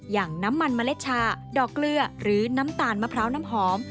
อย่างน้ำมันเมล็ดชาดอกเกลือหรือน้ำตาลมะพร้าวน้ำหอม